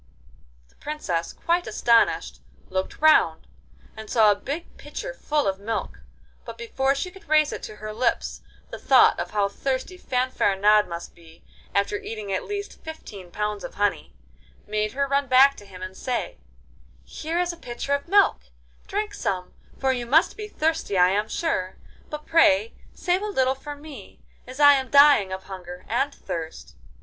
The Princess, quite astonished, looked round, and saw a big pitcher full of milk, but before she could raise it to her lips the thought of how thirsty Fanfaronade must be, after eating at least fifteen pounds of honey, made her run back to him and say: 'Here is a pitcher of milk; drink some, for you must be thirsty I am sure; but pray save a little for me, as I am dying of hunger and thirst.